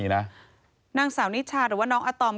นางสาวนิชาหรือว่าน้องอาตอม